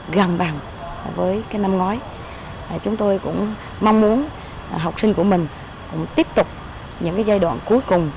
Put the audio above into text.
gần bằng với cái năm ngói chúng tôi cũng mong muốn học sinh của mình tiếp tục những giai đoạn cuối cùng